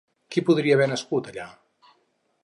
Qui podria haver nascut allà?